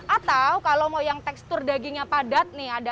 atau kalau mau yang tekstur dagingnya padat ada ikan